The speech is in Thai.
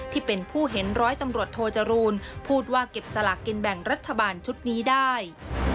ที่เป็นผู้เห็นร้อยตำรวจโทจรูลพูดว่าเก็บสลากกินแบ่งรัฐบาลชุดนี้ได้